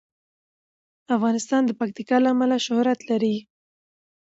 افغانستان د پکتیا له امله شهرت لري.